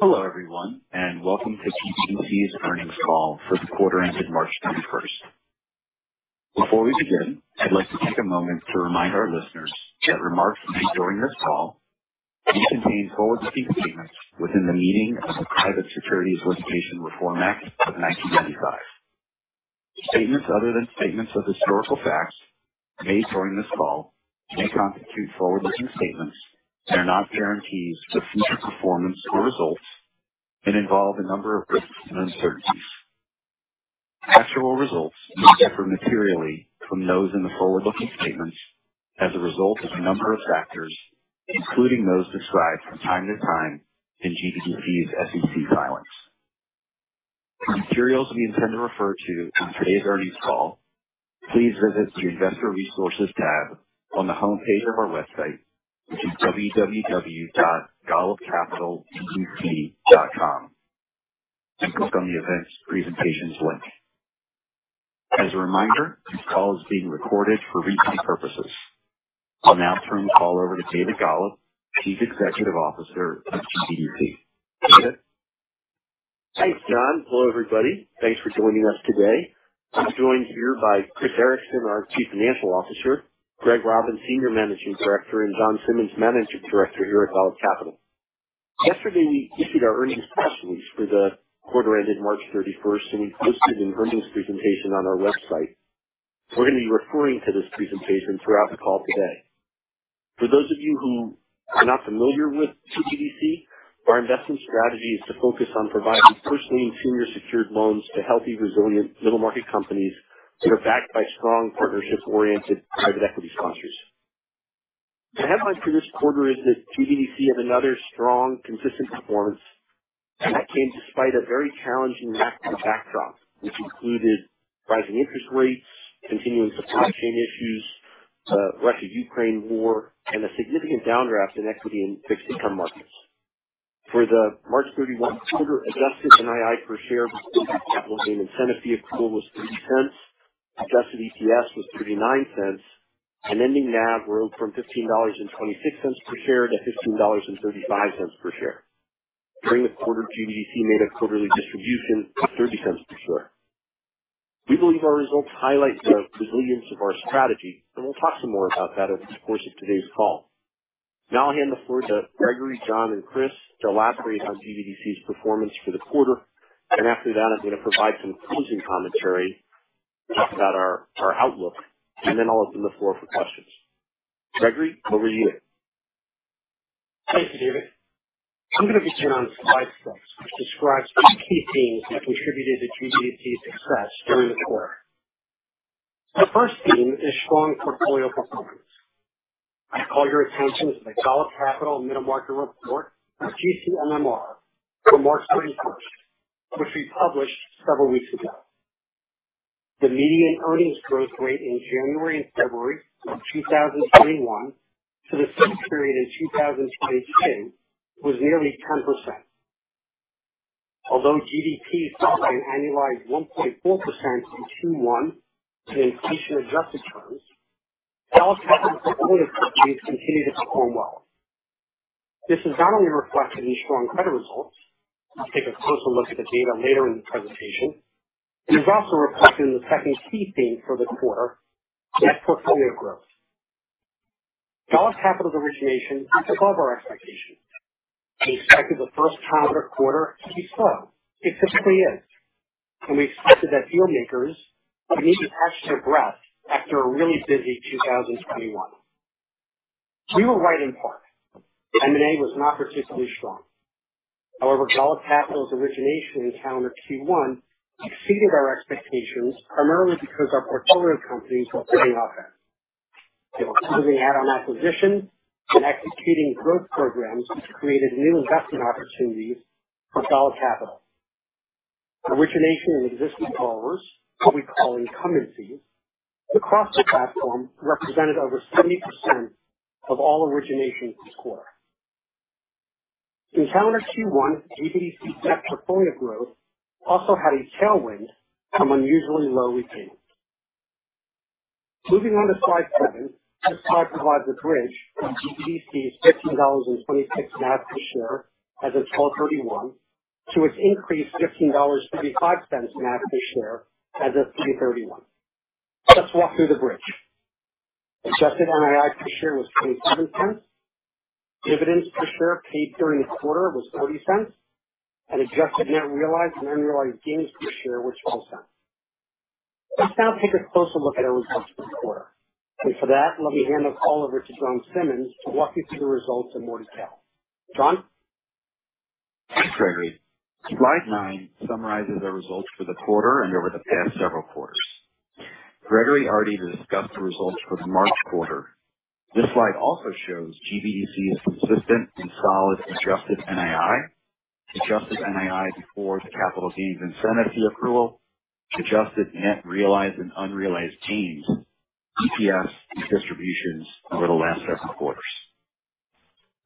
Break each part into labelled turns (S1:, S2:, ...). S1: Hello everyone, and welcome to GBDC's earnings call for the quarter ended March 31st. Before we begin, I'd like to take a moment to remind our listeners that remarks made during this call may contain forward-looking statements within the meaning of the Private Securities Litigation Reform Act of 1995. Statements other than statements of historical facts made during this call may constitute forward-looking statements that are not guarantees of future performance or results and involve a number of risks and uncertainties. Actual results may differ materially from those in the forward-looking statements as a result of a number of factors, including those described from time to time in GBDC's SEC filings. For materials we intend to refer to on today's earnings call, please visit the Investor Resources tab on the homepage of our website, which is www.golubcapitalbdc.com, and click on the Events Presentations link. As a reminder, this call is being recorded for repeat purposes. I'll now turn the call over to David Golub, Chief Executive Officer of GBDC. David?
S2: Thanks, Jon. Hello, everybody. Thanks for joining us today. I'm joined here by Chris Ericson, our Chief Financial Officer, Greg Robbins, Senior Managing Director, and Jon Simmons, Managing Director here at Golub Capital. Yesterday, we issued our earnings press release for the quarter ended March 31st, and we posted an earnings presentation on our website. We're going to be referring to this presentation throughout the call today. For those of you who are not familiar with GBDC, our investment strategy is to focus on providing first lien senior secured loans to healthy, resilient middle market companies that are backed by strong partnership-oriented private equity sponsors. The headline for this quarter is that GBDC had another strong, consistent performance, and that came despite a very challenging macro backdrop, which included rising interest rates, continuing supply chain issues, Russia-Ukraine war, and a significant downdraft in equity and fixed income markets. For the March 31 quarter, adjusted NII per share before capital gains incentive fee accrual was $0.03, adjusted EPS was $0.39, and ending NAV rose from $15.26 per share to $15.35 per share. During the quarter, GBDC made a quarterly distribution of $0.30 per share. We believe our results highlight the resilience of our strategy, and we'll talk some more about that over the course of today's call. Now I'll hand the floor to Gregory, Jon, and Chris to elaborate on GBDC's performance for the quarter. After that, I'm going to provide some closing commentary about our outlook, and then I'll open the floor for questions. Gregory, over to you.
S3: Thank you, David. I'm going to be turning on slide six, which describes three key themes that contributed to GBDC's success during the quarter. The first theme is strong portfolio performance. I call your attention to the Golub Capital Middle Market Report, or GCMMR, for March 21st, which we published several weeks ago. The median earnings growth rate in January and February of 2021 to the same period in 2022 was nearly 10%. Although GDP fell by an annualized 1.4% in Q1 in inflation-adjusted terms, Golub Capital's portfolio companies continued to perform well. This is not only reflected in strong credit results. We'll take a closer look at the data later in the presentation. It is also reflected in the second key theme for the quarter, net portfolio growth. Golub Capital's origination exceeded all of our expectations. We expected the first calendar quarter to be slow. It typically is. We expected that deal makers would need to catch their breath after a really busy 2021. We were right in part. M&A was not particularly strong. However, Golub Capital's origination in calendar Q1 exceeded our expectations, primarily because our portfolio companies were pretty offensive. They were closing add-on acquisitions and executing growth programs, which created new investment opportunities for Golub Capital. Origination and existing borrowers, what we call incumbencies, across the platform represented over 70% of all originations this quarter. In calendar Q1, GBDC net portfolio growth also had a tailwind from unusually low paydowns. Moving on to slide seven. This slide provides a bridge from GBDC's $15.26 NAV per share as of 12/31 to its increased $15.35 NAV per share as of 3/31. Let's walk through the bridge. Adjusted NII per share was $0.27. Dividends per share paid during the quarter was $0.40. Adjusted net realized and unrealized gains per share were $0.12. Let's now take a closer look at our results this quarter. For that, let me hand the call over to Jon Simmons to walk you through the results in more detail. Jon?
S1: Thanks, Gregory. Slide nine summarizes our results for the quarter and over the past several quarters. Gregory already discussed the results for the March quarter. This slide also shows GBDC's consistent and solid adjusted NII, adjusted NII before the capital gains incentive fee accrual, adjusted net realized and unrealized gains, EPS, and distributions over the last several quarters.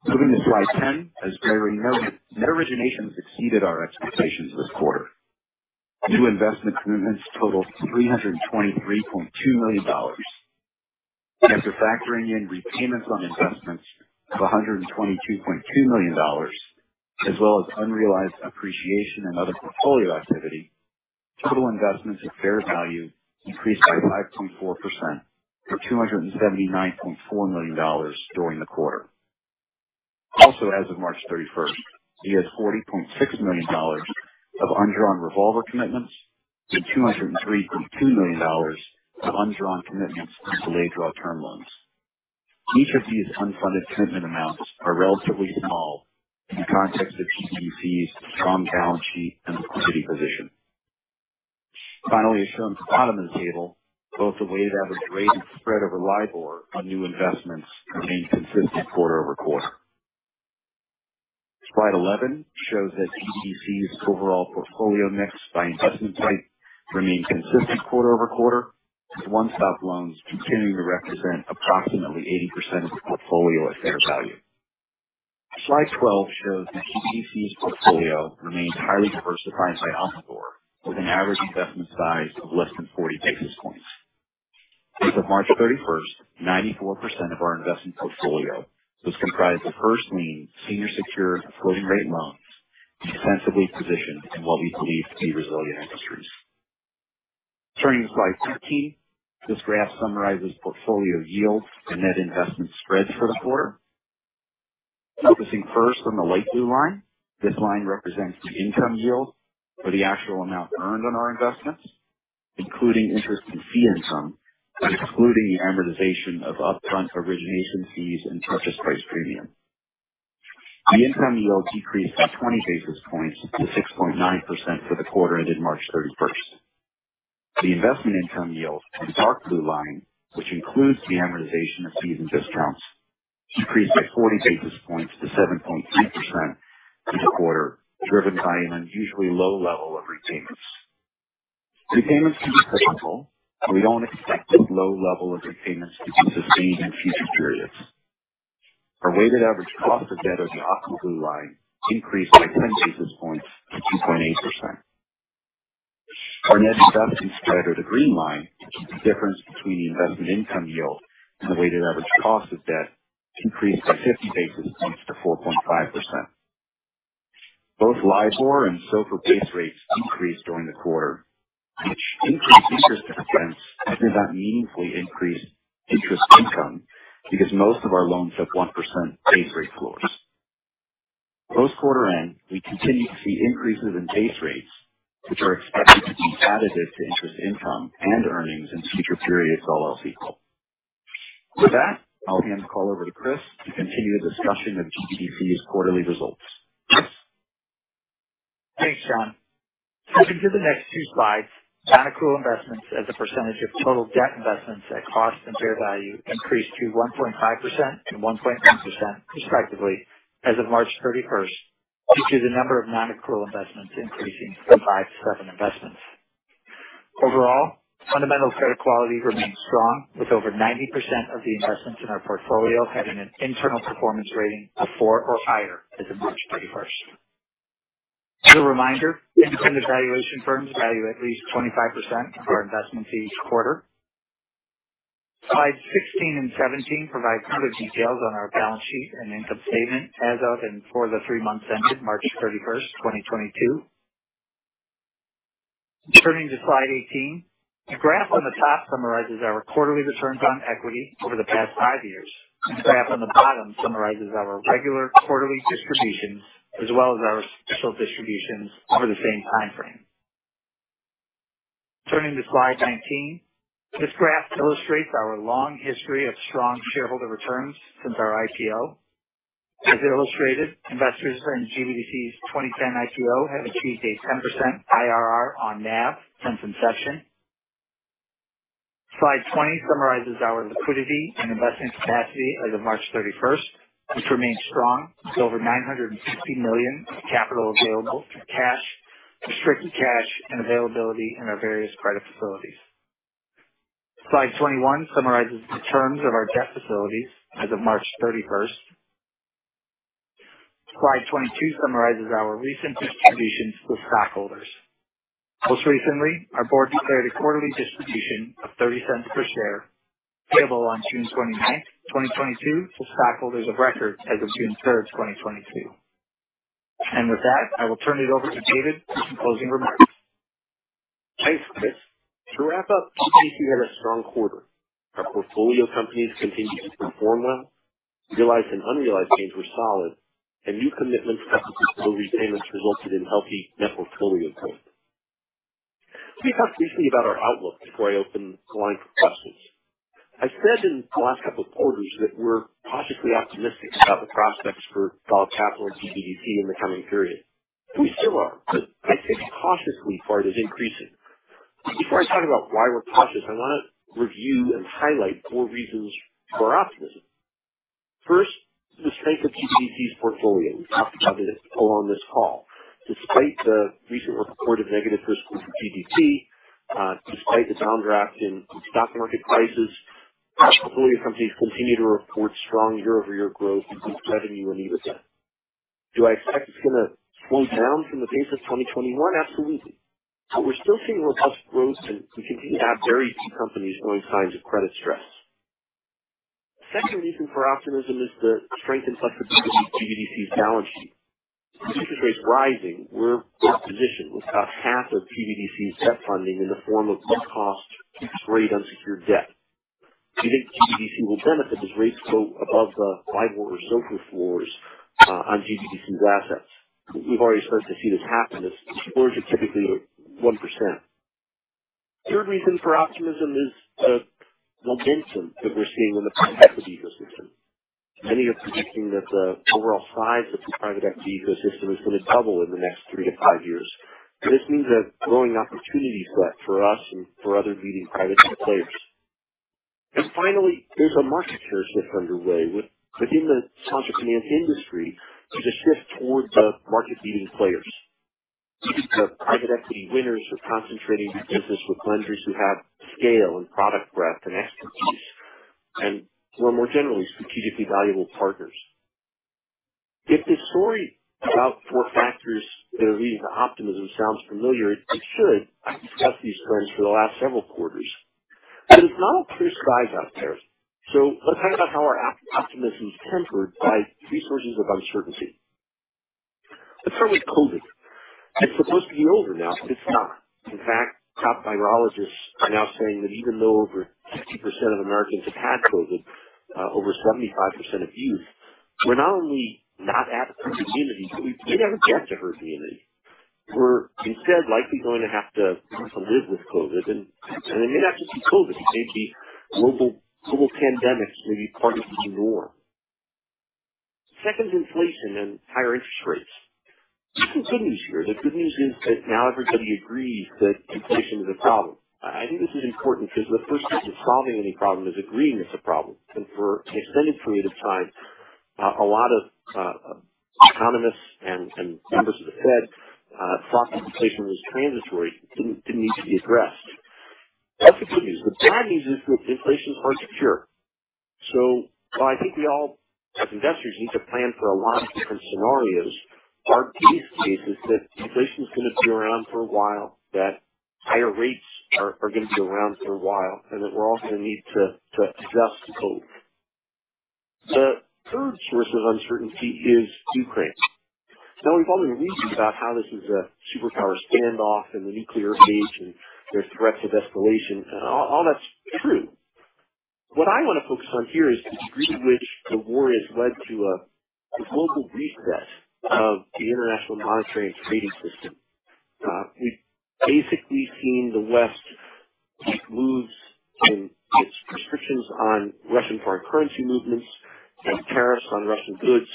S1: Moving to slide 10. As Gregory noted, net origination exceeded our expectations this quarter. New investment commitments totaled $323.2 million. After factoring in repayments on investments of $122.2 million, as well as unrealized appreciation and other portfolio activity, total investments at fair value increased by 5.4% for $279.4 million during the quarter. As of March 31st, we had $40.6 million of undrawn revolver commitments and $203.2 million of undrawn commitments on delayed draw term loans. Each of these unfunded commitment amounts are relatively small in the context of GBDC's strong balance sheet and liquidity position. Finally, as shown at the bottom of the table, both the weighted average rate and spread over LIBOR on new investments remained consistent quarter-over-quarter. Slide 11 shows that GBDC's overall portfolio mix by investment type remained consistent quarter-over-quarter, with One-Stop loans continuing to represent approximately 80% of the portfolio at fair value. Slide 12 shows that GBDC's portfolio remains highly diversified by obligor, with an average investment size of less than 40 basis points. As of March 31st, 94% of our investment portfolio was comprised of first lien, senior secured floating rate loans defensively positioned in what we believe to be resilient industries. Turning to slide 13. This graph summarizes portfolio yields and net investment spreads for the quarter. Focusing first on the light blue line. This line represents the income yield for the actual amount earned on our investments, including interest and fee income, but excluding the amortization of upfront origination fees and purchase price premium. The income yield decreased by 20 basis points to 6.9% for the quarter ended March 31st. The investment income yield, the dark blue line, which includes the amortization of fees and discounts, increased by 40 basis points to 7.3% for the quarter, driven by an unusually low level of repayments. Repayments can be cyclical, and we don't expect this low level of repayments to be sustained in future periods. Our weighted average cost of debt or the aqua blue line increased by 10 basis points to 2.8%. Our net investment spread or the green line, which is the difference between the investment income yield and the weighted average cost of debt, increased by 50 basis points to 4.5%. Both LIBOR and SOFR base rates increased during the quarter, which increased interest expense, but did not meaningfully increase interest income because most of our loans have 1% base rate floors. Post-quarter end, we continue to see increases in base rates, which are expected to be additive to interest income and earnings in future periods, all else equal. With that, I'll hand the call over to Chris to continue the discussion of GBDC's quarterly results.
S4: Thanks, Jon. Flipping to the next two slides. Non-accrual investments as a percentage of total debt investments at cost and fair value increased to 1.5% and 1.9% respectively as of March 31st, due to the number of non-accrual investments increasing from five to seven investments. Overall, fundamental credit quality remains strong, with over 90% of the investments in our portfolio having an internal performance rating of four or higher as of March 31st. As a reminder, independent valuation firms value at least 25% of our investments each quarter. Slides 16 and 17 provide further details on our balance sheet and income statement as of and for the three months ended March 31st, 2022. Turning to slide 18. The graph on the top summarizes our quarterly returns on equity over the past five years. The graph on the bottom summarizes our regular quarterly distributions as well as our special distributions over the same time frame. Turning to slide 19. This graph illustrates our long history of strong shareholder returns since our IPO. As illustrated, investors in GBDC's 2010 IPO have achieved a 10% IRR on NAV since inception. Slide 20 summarizes our liquidity and investing capacity as of March 31st, which remains strong with over $960 million of capital available through cash, restricted cash, and availability in our various credit facilities. Slide 21 summarizes the terms of our debt facilities as of March 31st. Slide 22 summarizes our recent distributions to stockholders. Most recently, our board declared a quarterly distribution of $0.30 per share, payable on June 29th, 2022 to stockholders of record as of June 3rd, 2022. With that, I will turn it over to David for some closing remarks.
S2: Thanks, Chris. To wrap up, GBDC had a strong quarter. Our portfolio companies continued to perform well, realized and unrealized gains were solid, and new commitments coupled with portfolio repayments resulted in healthy net portfolio deployment. Let me talk briefly about our outlook before I open the line for questions. I said in the last couple of quarters that we're cautiously optimistic about the prospects for capital and GBDC in the coming period. We still are, but I say cautiously for it is increasing. Before I talk about why we're cautious, I want to review and highlight four reasons for optimism. First, the strength of GBDC's portfolio. We've talked about it all on this call. Despite the recent reported negative risk score for GDP, despite the downdraft in stock market prices, our portfolio companies continue to report strong year-over-year growth in both revenue and EBITDA. Do I expect it's gonna slow down from the pace of 2021? Absolutely. We're still seeing robust growth, and we continue to have very few companies showing signs of credit stress. Second reason for optimism is the strength and flexibility of GBDC's balance sheet. With interest rates rising, we're well-positioned with about half of GBDC's debt funding in the form of low cost, fixed rate unsecured debt. We think GBDC will benefit as rates go above the LIBOR or SOFR floors on GBDC's assets. We've already started to see this happen as the floors are typically 1%. Third reason for optimism is the momentum that we're seeing in the private equity ecosystem. Many are predicting that the overall size of the private equity ecosystem is gonna double in the next 3-5 years. This means a growing opportunity set for us and for other leading private equity players. Finally, there's a market share shift underway within the sponsor finance industry. There's a shift towards the market-leading players. We think the private equity winners are concentrating their business with lenders who have scale and product breadth and expertise, and who are more generally strategically valuable partners. If this story about four factors that are leading to optimism sounds familiar, it should. I've discussed these trends for the last several quarters. It's not all clear skies out there. Let's talk about how our optimism is tempered by three sources of uncertainty. Let's start with COVID. It's supposed to be over now, but it's not. In fact, top virologists are now saying that even though over 60% of Americans have had COVID, over 75% of youth, we're not only not at herd immunity, but we may never get to herd immunity. We're instead likely going to have to live with COVID. It may not just be COVID. It may be global pandemics may be part of the new norm. Second is inflation and higher interest rates. There's some good news here. The good news is that now everybody agrees that inflation is a problem. I think this is important because the first step to solving any problem is agreeing it's a problem. For an extended period of time, a lot of economists and members of the Fed thought that inflation was transitory. Didn't need to be addressed. That's the good news. The bad news is that inflation is here to stay. While I think we all as investors need to plan for a lot of different scenarios, our base case is that inflation is gonna be around for a while, that higher rates are gonna be around for a while, and that we're all gonna need to adjust to both. The third source of uncertainty is Ukraine. Now we've all been reading about how this is a superpower standoff, and the nuclear age, and there's threats of escalation. All that's true. What I wanna focus on here is the degree to which the war has led to a global reset of the international monetary and trading system. We've basically seen the West take moves in its restrictions on Russian foreign currency movements and tariffs on Russian goods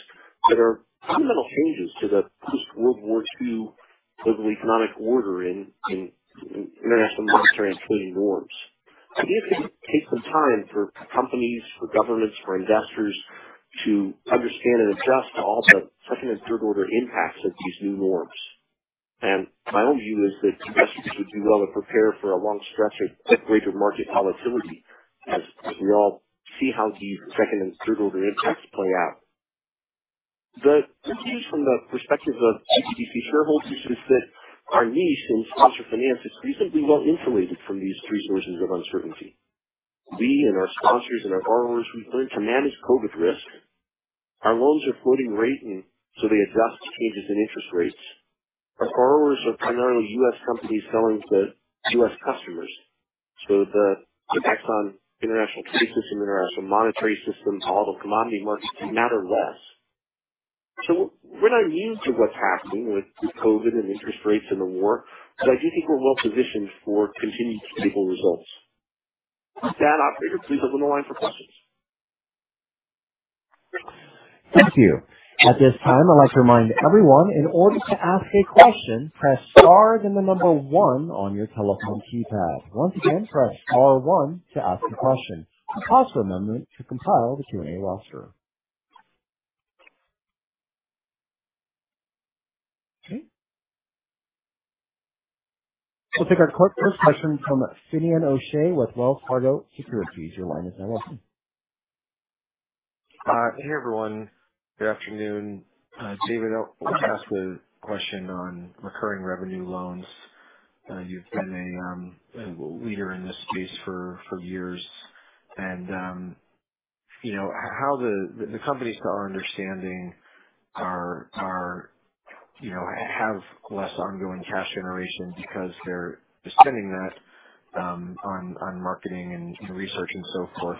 S2: that are fundamental changes to the post-World War II global economic order in international monetary and trading norms. I think it's gonna take some time for companies, for governments, for investors to understand and adjust to all the second and third order impacts of these new norms. My own view is that investors would do well to prepare for a long stretch of greater market volatility as we all see how these second and third order impacts play out. The good news from the perspective of GBDC shareholders is that our niche in sponsor finance is reasonably well insulated from these three sources of uncertainty. We and our sponsors and our borrowers, we've learned to manage COVID risk. Our loans are floating rate, and so they adjust to changes in interest rates. Our borrowers are primarily U.S. companies selling to U.S. customers. The impacts on international trade system, international monetary systems, global commodity markets matter less. We're not immune to what's happening with COVID and interest rates and the war, but I do think we're well positioned for continued stable results. With that, operator, please open the line for questions.
S5: Thank you. At this time, I'd like to remind everyone, in order to ask a question, press star then the number one on your telephone keypad. Once again, press star one to ask a question. I'll also remember to compile the Q&A roster. Okay. We'll take our first question from Finian O'Shea with Wells Fargo Securities. Your line is now open.
S6: Hey, everyone. Good afternoon. David, I'll ask the question on recurring revenue loans. You've been a leader in this space for years. You know, how the companies to our understanding are, you know, have less ongoing cash generation because they're spending that on marketing and research and so forth.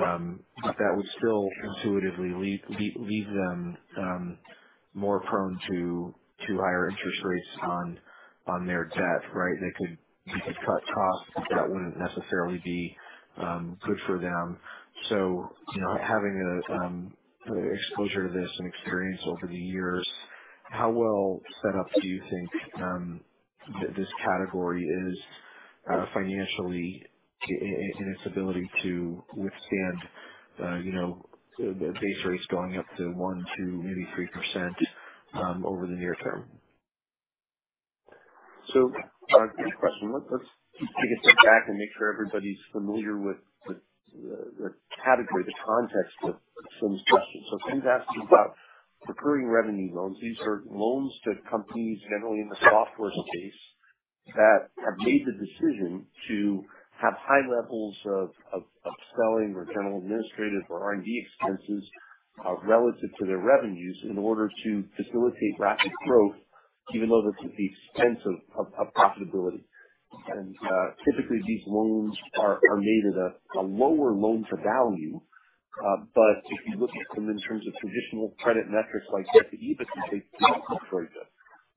S6: That would still intuitively leave them more prone to higher interest rates on their debt, right? They could cut costs, but that wouldn't necessarily be good for them. You know, having a exposure to this and experience over the years, how well set up do you think this category is financially in its ability to withstand, you know, base rates going up to 1%, 2%, maybe 3% over the near term?
S2: Good question. Let's take a step back and make sure everybody's familiar with the category, the context of Finian's question. Finian's asking about recurring revenue loans. These are loans to companies, generally in the software space, that have made the decision to have high levels of selling or general administrative or R&D expenses relative to their revenues in order to facilitate rapid growth, even though that's at the expense of profitability. Typically these loans are made at a lower loan-to-value, but if you look at them in terms of traditional credit metrics like debt-to-EBITDA, they look very good.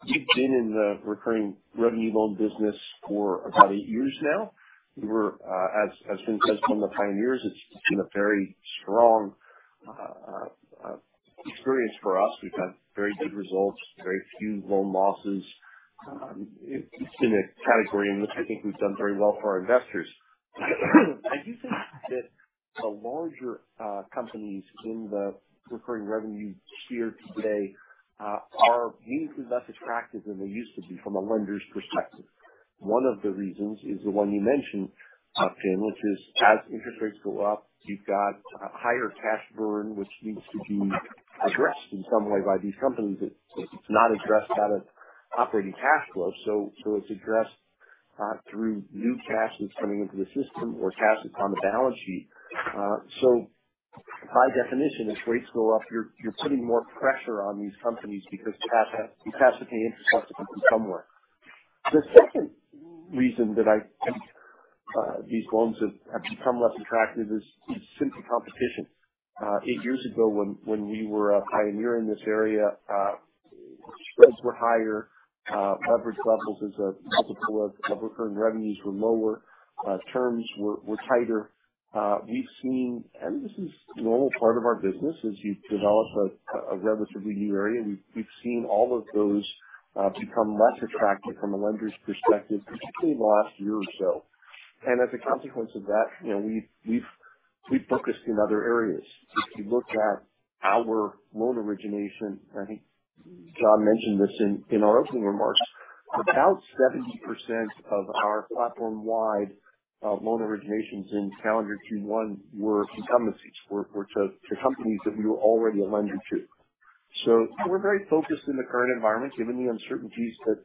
S2: We've been in the recurring revenue loan business for about eight years now. We're, as Finian said, one of the pioneers. It's been a very strong experience for us. We've had very good results, very few loan losses. It's been a category in which I think we've done very well for our investors. I do think that the larger companies in the recurring revenue tier today are meaningfully less attractive than they used to be from a lender's perspective. One of the reasons is the one you mentioned, Tim, which is as interest rates go up, you've got a higher cash burn, which needs to be addressed in some way by these companies. It's not addressed out of operating cash flows, so it's addressed through new cash that's coming into the system or cash that's on the balance sheet. By definition, as rates go up, you're putting more pressure on these companies because you have to pay interest costs somewhere. The second reason that I think these loans have become less attractive is simply competition. Eight years ago, when we were a pioneer in this area, spreads were higher. Coverage levels as a multiple of recurring revenues were lower. Terms were tighter. We've seen, and this is a normal part of our business, as you develop a relatively new area, all of those become less attractive from a lender's perspective, particularly in the last year or so. As a consequence of that, you know, we've focused in other areas. If you look at our loan origination, I think Jon mentioned this in our opening remarks. About 70% of our platform-wide loan originations in calendar Q1 were incumbents. We were to companies that we were already a lender to. We're very focused in the current environment, given the uncertainties that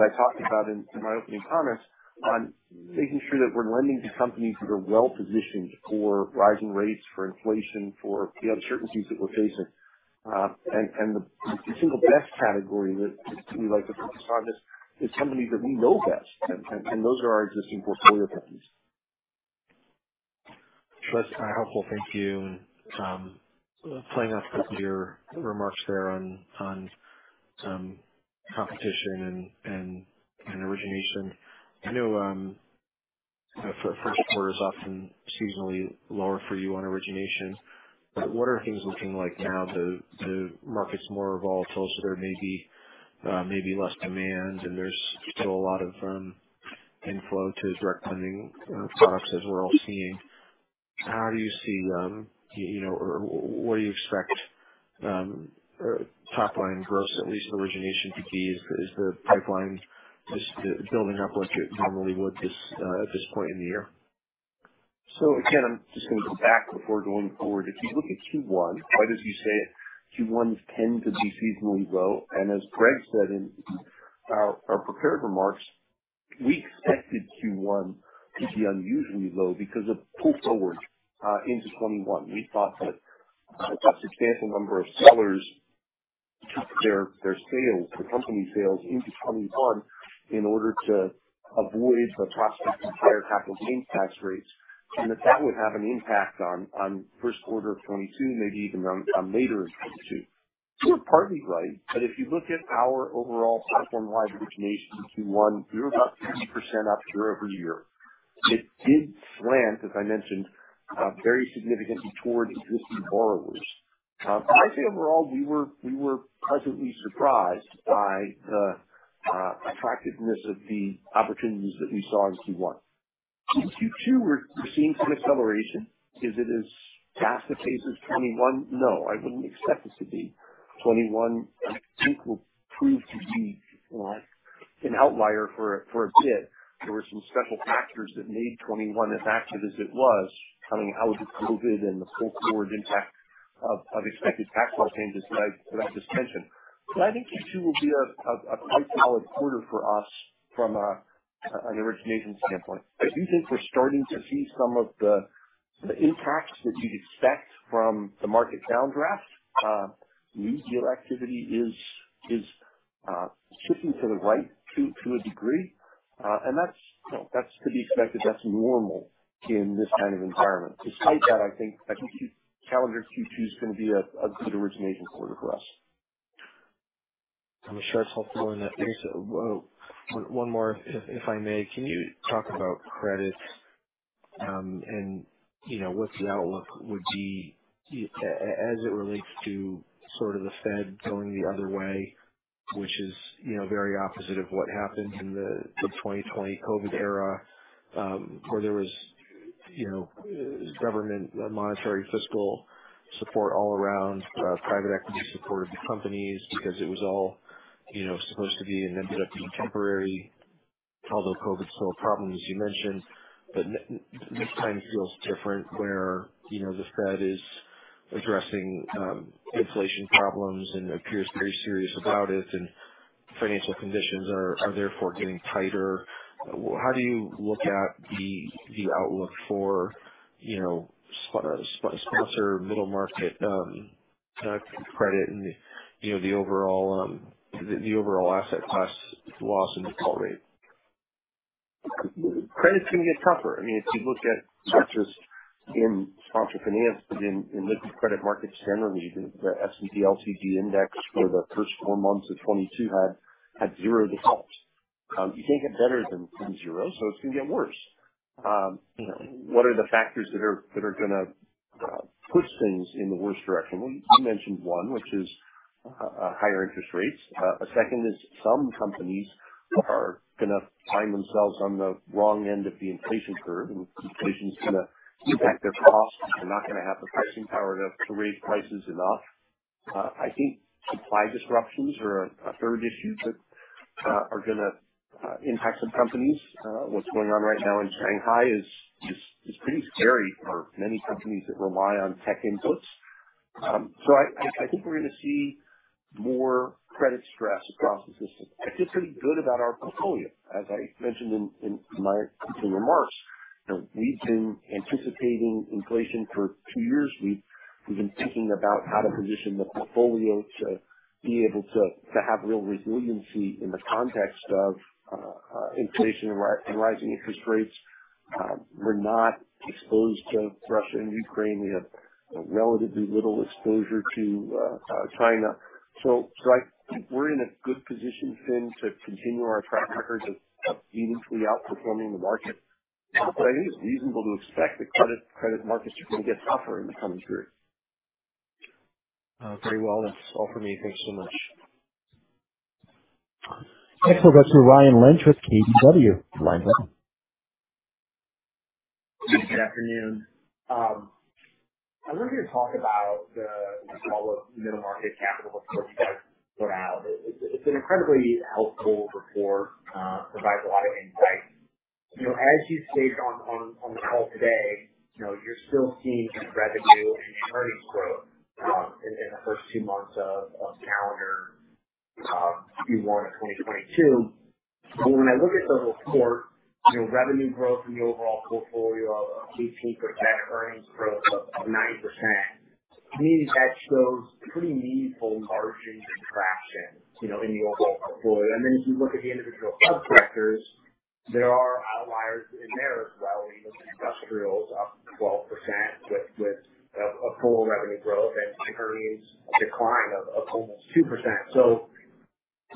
S2: I talked about in my opening comments, on making sure that we're lending to companies that are well-positioned for rising rates, for inflation, for the uncertainties that we're facing. And the single best category that we like to focus on is the companies that we know best, and those are our existing portfolio companies.
S6: That's helpful. Thank you. Playing off of your remarks there on competition and origination. I know first quarter is often seasonally lower for you on origination, but what are things looking like now? The market's more volatile, so there may be maybe less demand, and there's still a lot of inflow to direct lending, you know, products as we're all seeing. How do you see you know, or what do you expect top line gross, at least origination fee is the pipeline just building up what you normally would this at this point in the year?
S2: Again, I'm just going to go back before going forward. If you look at Q1, right as you say, Q1s tend to be seasonally low. As Greg said in our prepared remarks, we expected Q1 to be unusually low because of pull forward into 2021. We thought that a substantial number of sellers took their sales, their company sales into 2021 in order to avoid the prospect of higher capital gains tax rates, and that would have an impact on first quarter of 2022, maybe even on later in 2022. We were partly right, but if you look at our overall platform-wide origination in Q1, we were about 50% up year-over-year. It did slant, as I mentioned, very significantly towards existing borrowers. I'd say overall we were pleasantly surprised by the attractiveness of the opportunities that we saw in Q1. In Q2, we're seeing some acceleration. Is it as fast a pace as 2021? No, I wouldn't expect this to be. 2021, I think will prove to be well an outlier for a bit. There were some special factors that made 2021 as active as it was, coming out of COVID and the pull forward impact of expected tax law changes that I just mentioned. I think Q2 will be a quite solid quarter for us from an origination standpoint. I do think we're starting to see some of the impacts that you'd expect from the market downdraft. New deal activity is shifting to the right to a degree. That's, you know, that's to be expected. That's normal in this kind of environment. Despite that, I think calendar Q2 is gonna be a good origination quarter for us.
S6: I'm sure it's helpful in that case. One more, if I may. Can you talk about credit? And you know, what the outlook would be as it relates to sort of the Fed going the other way, which is, you know, very opposite of what happened in the 2020 COVID era, where there was government, monetary, fiscal support all around, private equity support of companies because it was all, you know, supposed to be and ended up being temporary. Although COVID is still a problem, as you mentioned, but this time feels different where, you know, the Fed is addressing inflation problems and appears very serious about it, and financial conditions are therefore getting tighter. How do you look at the outlook for, you know, sponsor middle market credit and, you know, the overall asset class loss and default rate?
S2: Credit's gonna get tougher. I mean, if you look at not just in sponsor finance, but in liquid credit markets generally, the S&P LCD index for the first four months of 2022 had zero defaults. You can't get better than from zero, so it's gonna get worse. What are the factors that are gonna push things in the worst direction? Well, you mentioned one, which is higher interest rates. A second is some companies are gonna find themselves on the wrong end of the inflation curve, and inflation's gonna impact their costs. They're not gonna have the pricing power to raise prices enough. I think supply disruptions are a third issue that are gonna impact some companies. What's going on right now in Shanghai is pretty scary for many companies that rely on tech inputs. I think we're gonna see more credit stress across the system. I feel pretty good about our portfolio. As I mentioned in my opening remarks, you know, we've been anticipating inflation for two years. We've been thinking about how to position the portfolio to have real resiliency in the context of inflation and rising interest rates. We're not exposed to Russia and Ukraine. We have relatively little exposure to China. I think we're in a good position, Finn, to continue our track record of meaningfully outperforming the market. I think it's reasonable to expect the credit markets are gonna get tougher in the coming period.
S6: Very well. That's all for me. Thank you so much.
S1: Next we'll go to Ryan Lynch with KBW. Ryan, go ahead.
S7: Good afternoon. I wanted to talk about the Golub Capital Middle Market Report you guys put out. It's an incredibly helpful report. Provides a lot of insight. You know, as you've stated on the call today, you know, you're still seeing good revenue and earnings growth in the first two months of calendar Q1 of 2022. When I look at the report, you know, revenue growth in the overall portfolio of 18%, earnings growth of 90%, to me that shows pretty meaningful margin contraction, you know, in your overall portfolio. If you look at the individual sub-sectors, there are outliers in there as well. You look at industrials up 12% with a total revenue growth and earnings decline of almost 2%. You know,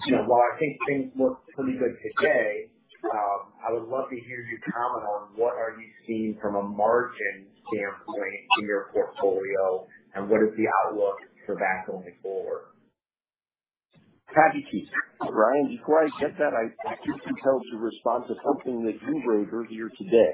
S7: while I think things look pretty good today, I would love to hear you comment on what are you seeing from a margin standpoint in your portfolio and what is the outlook for that going forward?
S2: Happy to. Ryan, before I get that, I do need to respond to something that you wrote earlier today.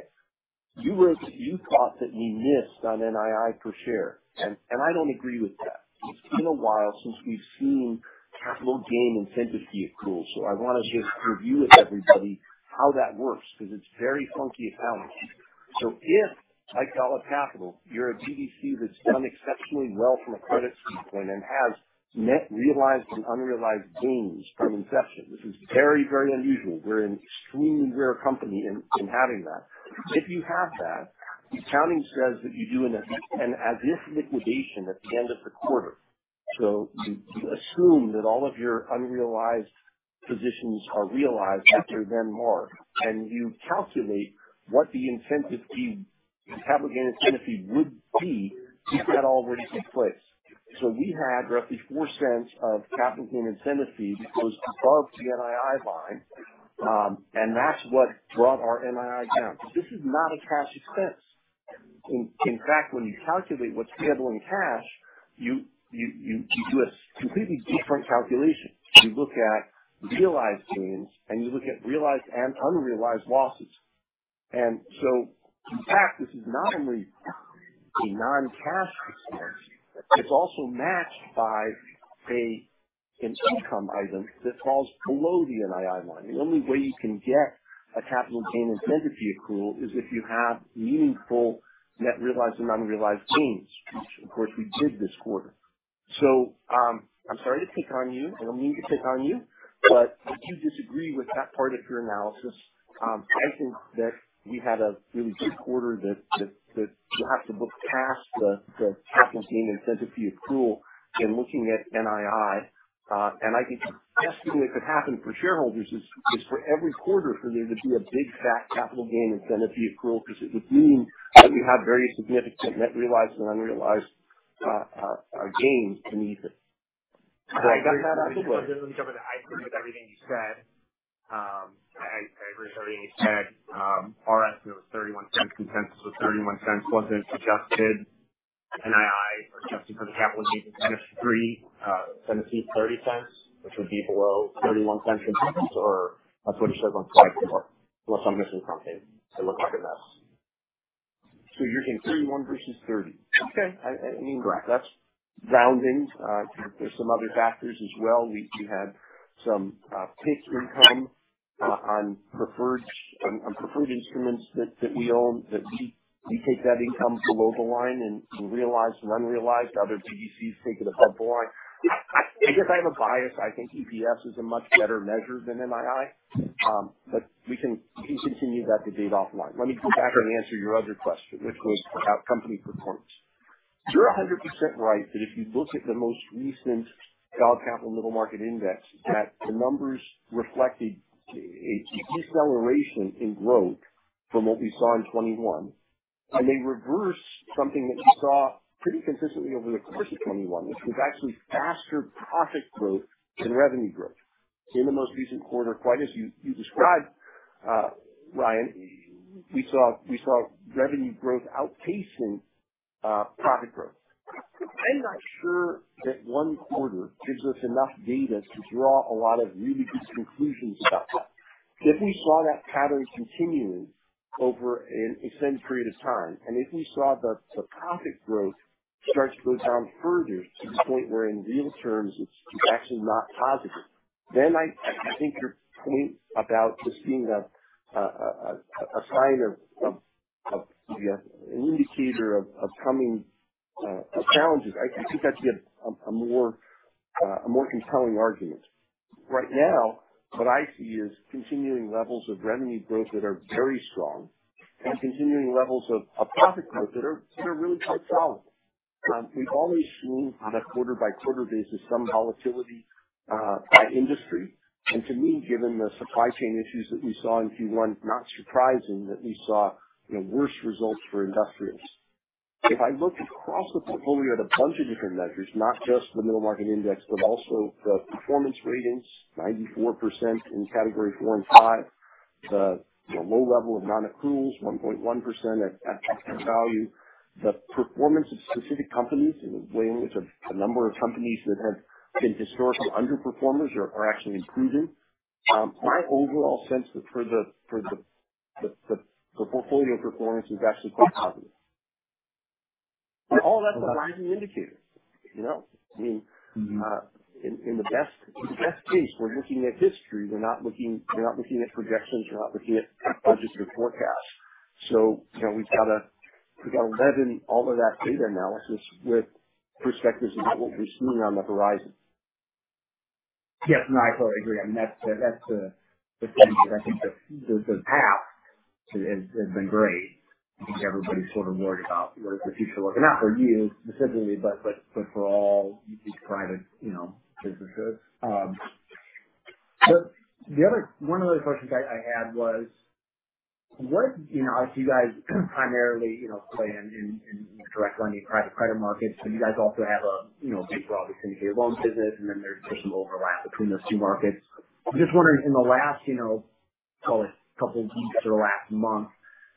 S2: You wrote that you thought that we missed on NII per share, and I don't agree with that. It's been a while since we've seen capital gains incentive fee accrual. I want to just review with everybody how that works, because it's very funky accounting. If, like Golub Capital, you're a BDC that's done exceptionally well from a credit standpoint and has net realized and unrealized gains from inception, this is very, very unusual. We're an extremely rare company in having that. If you have that, accounting says that you do an as-if liquidation at the end of the quarter. You assume that all of your unrealized positions are realized. They're then marked, and you calculate what the incentive fee, capital gains incentive fee would be if that already took place. We had roughly $0.04 of capital gains incentive fee that goes above the NII line, and that's what brought our NII down. Because this is not a cash expense. In fact, when you calculate what's scheduled in cash, you do a completely different calculation. You look at realized gains and you look at realized and unrealized losses. In fact, this is not only a non-cash expense, it's also matched by an income item that falls below the NII line. The only way you can get a capital gains incentive fee accrual is if you have meaningful net realized and unrealized gains beneath it. I get that.
S7: I agree with everything you said. Adjusted NII, you know, was $0.31. Consensus was $0.31, wasn't adjusted NII or adjusted for the capital gains incentive fee is $0.30, which would be below $0.31 net interest, or that's what it shows on slide four. Unless I'm missing something. I look like a mess.
S2: You're saying $0.31 versus $0.30. Okay. I mean.
S7: Right.
S2: That's grounding. There's some other factors as well. We had some fixed income on preferred instruments that we take that income below the line and realized and unrealized. Other BDCs take it above the line. I guess I have a bias. I think EPS is a much better measure than NII. We can continue that debate offline. Let me go back and answer your other question, which was about company performance. You're 100% right that if you look at the most recent Golub Capital Middle Market Index, the numbers reflected a deceleration in growth from what we saw in 2021. They reverse something that we saw pretty consistently over the course of 2021, which was actually faster profit growth than revenue growth. In the most recent quarter, quite as you described, Ryan, we saw revenue growth outpacing profit growth. I'm not sure that one quarter gives us enough data to draw a lot of really good conclusions about. If we saw that pattern continue over an extended period of time, and if we saw the profit growth start to go down further to the point where in real terms it's actually not positive, then I think your point about this being a sign of, yeah, an indicator of coming challenges. I think that'd be a more compelling argument. Right now, what I see is continuing levels of revenue growth that are very strong and continuing levels of profit growth that are really quite solid. We always see on a quarter by quarter basis some volatility by industry. To me, given the supply chain issues that we saw in Q1, not surprising that we saw, you know, worse results for industrials. If I look across the portfolio at a bunch of different measures, not just the middle market index, but also the performance ratings, 94% in category four and five. The, you know, low level of non-accruals, 1.1% at par value. The performance of specific companies in the way in which a number of companies that have been historically underperformers are actually improving. My overall sense for the portfolio performance is actually quite positive. All that's a rising indicator, you know.
S7: Mm-hmm.
S2: In the best case, we're looking at history. We're not looking at projections. We're not looking at budget or forecasts. You know, we've got to leaven all of that data analysis with perspectives about what we're seeing on the horizon.
S7: Yes. No, I totally agree. I mean, that's the thing is I think the path to it has been great. I think everybody's sort of worried about where is the future looking. Not for you specifically, but for all these private, you know, businesses. The other one of the other questions I had was what, you know, if you guys primarily, you know, play in direct lending private credit markets, but you guys also have a, you know, big broadly syndicated loans business and then there's some overlap between those two markets. I'm just wondering in the last, you know, call it couple weeks or last month,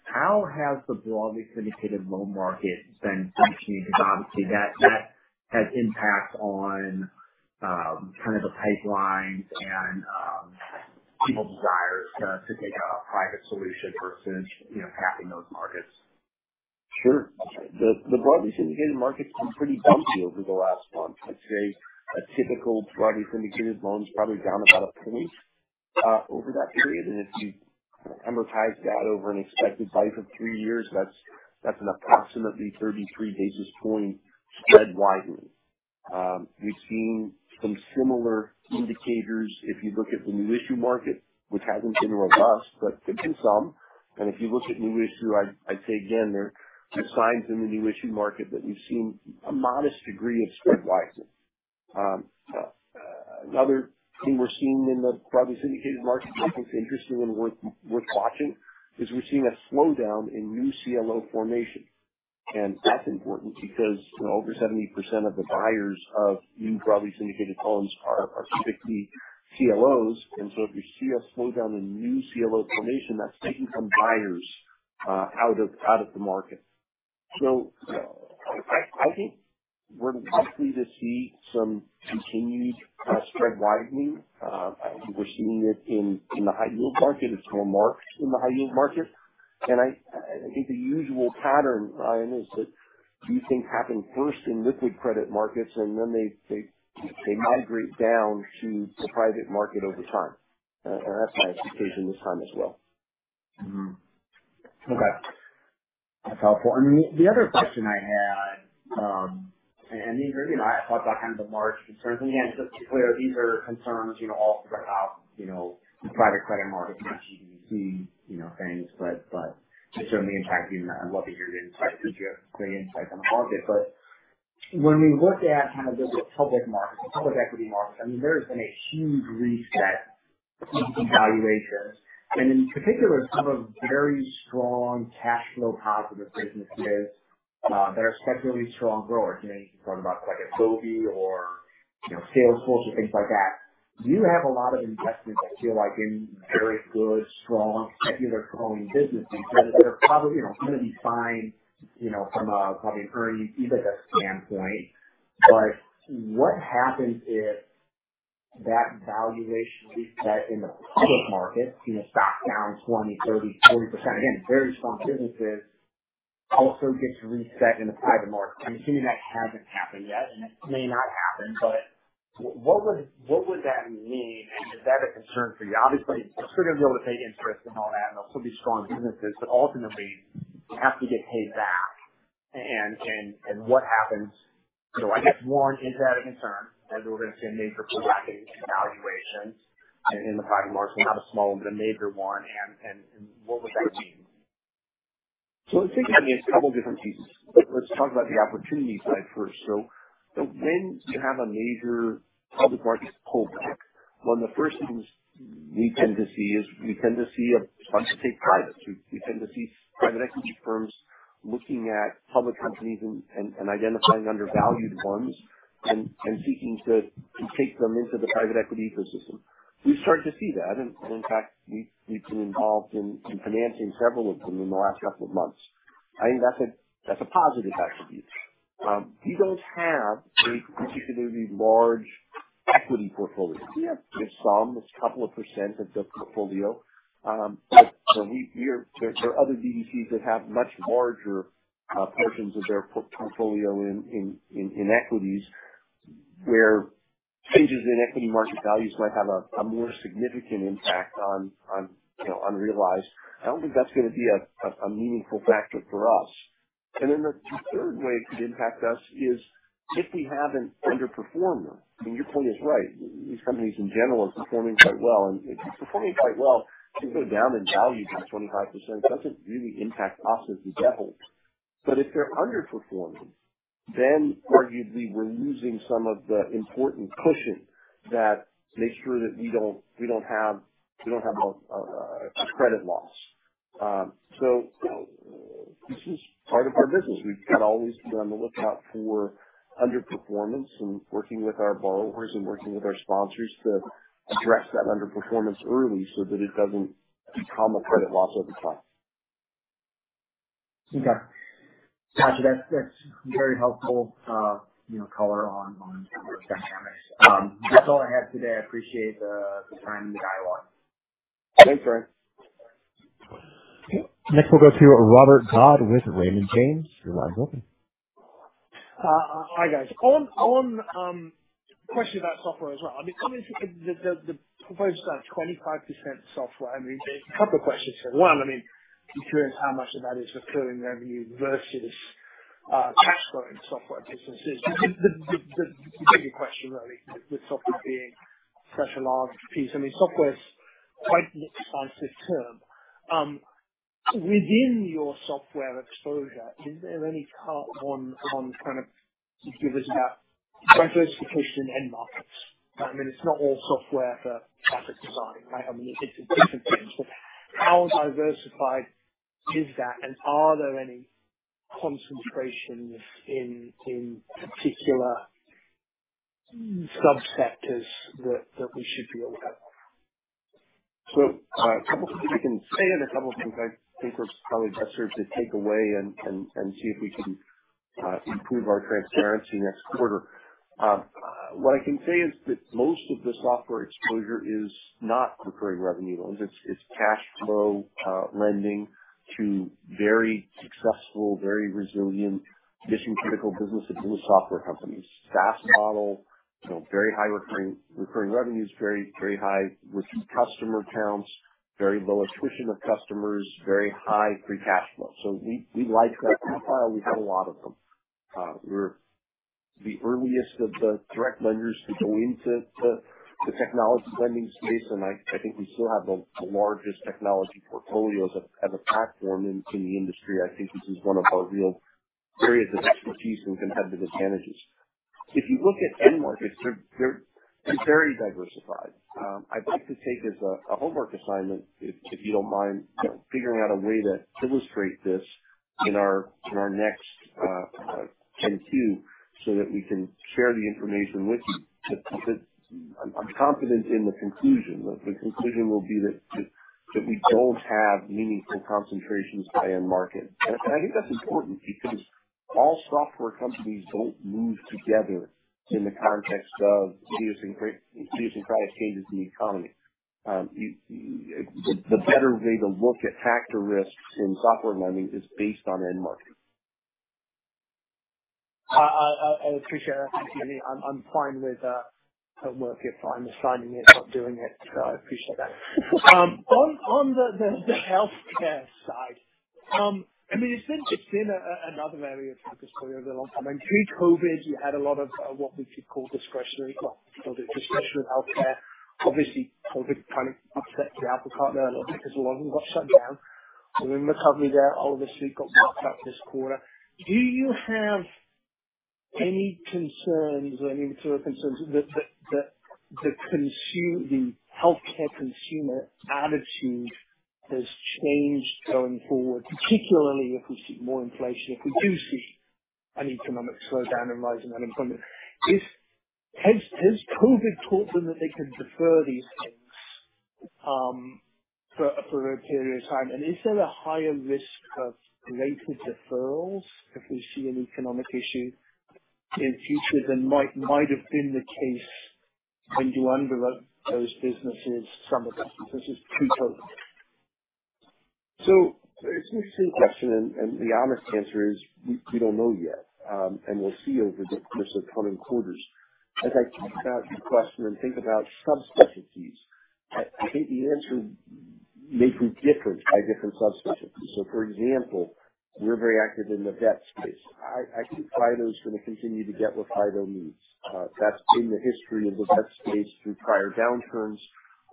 S7: how has the broadly syndicated loan market been doing? Because obviously that has impact on kind of the pipelines and people's desires to take a private solution versus, you know, tapping those markets.
S2: Sure. The broadly syndicated market's been pretty bumpy over the last month. I'd say a typical broadly syndicated loan is probably down about a penny over that period. If you amortize that over an expected life of three years, that's an approximately 33 basis point spread widening. We've seen some similar indicators if you look at the new issue market, which hasn't been robust, but there's been some. If you look at new issue, I'd say again, there are signs in the new issue market that we've seen a modest degree of spread widening. Another thing we're seeing in the broadly syndicated market that's interesting and worth watching is we're seeing a slowdown in new CLO formation. That's important because over 70% of the buyers of new broadly syndicated loans are typically CLOs. If you see a slowdown in new CLO formation, that's taking some buyers out of the market. I think we're likely to see some continued spread widening. We're seeing it in the high yield market. It's more marked in the high yield market. I think the usual pattern, Ryan, is that these things happen first in liquid credit markets, and then they migrate down to the private market over time. That's my expectation this time as well.
S7: Okay. That's helpful. The other question I had, and these are, you know, I thought about kind of the March concerns. Again, just to be clear, these are concerns, you know, all throughout, you know, the private credit markets, not BDC, you know, things. It's certainly impacting and I'd love to hear your insight because you have great insight on the market. When we look at kind of the public markets, the public equity markets, I mean, there's been a huge reset in valuations and in particular some of very strong cash flow positive businesses that are spectacularly strong growers. You know, you can talk about like Adobe or, you know, Salesforce or things like that. You have a lot of investments, I feel like, in very good, strong, secular growing businesses that are probably, you know, gonna be fine, you know, from a probably earnings, EBITDA standpoint. But what happens if that valuation reset in the public market, you know, stock down 20%, 30%, 40%. Again, very strong businesses also get to reset in the private market. I'm assuming that hasn't happened yet, and it may not happen, but what would that mean? Is that a concern for you? Obviously, you're still gonna be able to pay interest and all that, and they'll still be strong businesses, but ultimately you have to get paid back. What happens? I guess, one, is that a concern as we're gonna see a major pullback in valuations in the private markets? Not a small one, but a major one. What would that mean?
S2: I think, I mean, it's a couple different pieces. Let's talk about the opportunity side first. When you have a major public market pullback, one of the first things we tend to see is a bunch of take privates. We tend to see private equity firms looking at public companies and identifying undervalued ones and seeking to take them into the private equity ecosystem. We've started to see that. In fact, we've been involved in financing several of them in the last couple of months. I think that's a positive attribute. We don't have a particularly large equity portfolio. We have just some. It's a couple of percent of the portfolio. There are other BDCs that have much larger portions of their portfolio in equities, where changes in equity market values might have a more significant impact on you know, unrealized. I don't think that's gonna be a meaningful factor for us. The third way it could impact us is if we have an underperformer. I mean, your point is right. These companies in general are performing quite well. If it's performing quite well, it can go down in value by 25%. It doesn't really impact us as the debt holder. If they're underperforming, then arguably we're losing some of the important cushion that makes sure that we don't have a credit loss. This is part of our business. We've got to always be on the lookout for underperformance and working with our borrowers and working with our sponsors to address that underperformance early so that it doesn't become a credit loss over time.
S7: Okay. Gotcha. That's very helpful, you know, color on some of the dynamics. That's all I have today. I appreciate the time and the dialogue.
S2: Thanks, Ryan. Next we'll go to Robert Dodd with Raymond James. Your line's open.
S8: Hi guys. On a question about software as well. I mean, coming to the proposed 25% software, I mean, there's a couple of questions here. One, I mean, just curious how much of that is recurring revenue versus cash flowing software businesses. The bigger question really with software being such a large piece. I mean, software's quite an expansive term. Within your software exposure, is there any color on kind of give us that diversification in end markets? I mean, it's not all software for traffic design, right? I mean, it's different things. So how diversified is that? Are there any concentrations in particular subsectors that we should be aware of?
S2: A couple things I can say and a couple things I think are probably best served to take away and see if we can improve our transparency next quarter. What I can say is that most of the software exposure is not recurring revenue loans. It's cash flow lending to very successful, very resilient, mission-critical businesses in the software companies. SaaS model, you know, very high recurring revenues, very high customer counts, very low attrition of customers, very high free cash flow. We like that profile. We have a lot of them. We're the earliest of the direct lenders to go into the technology lending space. I think we still have the largest technology portfolios as a platform in the industry. I think this is one of our real areas of expertise and competitive advantages. If you look at end markets, they're very diversified. I'd like to take as a homework assignment if you don't mind, you know, figuring out a way to illustrate this in our next 10-Q so that we can share the information with you. I'm confident in the conclusion. The conclusion will be that we don't have meaningful concentrations by end market. I think that's important because all software companies don't move together in the context of serious and chronic changes in the economy. The better way to look at factor risks in software lending is based on end markets.
S8: I appreciate it. Thank you. I'm fine with homework. Yeah, fine with signing it, not doing it. I appreciate that. On the healthcare side, I mean, it's been another area of focus for you over a long time. Through COVID, you had a lot of what we could call, well, discretionary healthcare. Obviously, COVID kind of upset the apple cart there a little bit because a lot of them got shut down. Then the company there obviously got back up this quarter. Do you have any concerns or any sort of concerns that the healthcare consumer attitude has changed going forward, particularly if we see more inflation, if we do see an economic slowdown and rising unemployment? If COVID has taught them that they can defer these things for a period of time? Is there a higher risk of greater deferrals if we see an economic issue in future than might have been the case when you underwrote those businesses some of them, because there's two totals.
S2: It's an interesting question and the honest answer is we don't know yet. We'll see over the course of coming quarters. As I think about your question and think about subspecialties, I think the answer may be different by different subspecialties. For example, we're very active in the vet space. I think Fido's gonna continue to get what Fido needs. That's been the history of the vet space through prior downturns.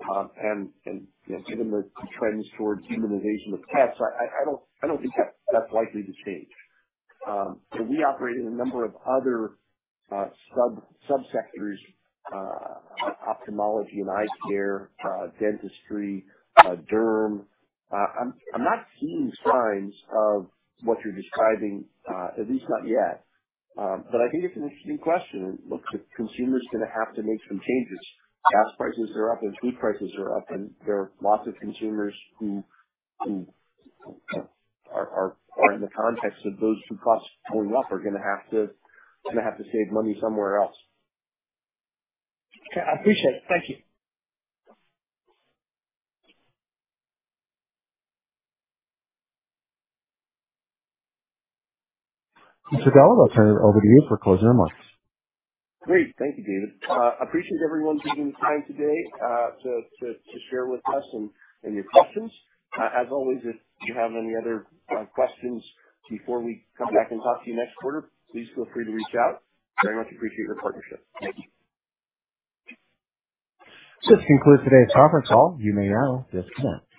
S2: You know, given the trends towards humanization of pets, I don't think that's likely to change. We operate in a number of other subsectors, ophthalmology and eye care, dentistry, derm. I'm not seeing signs of what you're describing, at least not yet. I think it's an interesting question. Look, the consumer's gonna have to make some changes. Gas prices are up and food prices are up and there are lots of consumers who are in the context of those two costs going up, are gonna have to save money somewhere else.
S8: Okay. I appreciate it. Thank you.
S5: Mr. Golub, I'll turn it over to you for closing remarks.
S2: Great. Thank you, David. Appreciate everyone taking the time today to share with us and your questions. As always, if you have any other questions before we come back and talk to you next quarter, please feel free to reach out. Very much appreciate your partnership. Thank you.
S5: This concludes today's conference call. You may now disconnect.